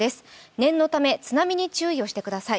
念のため、津波に注意をしてください。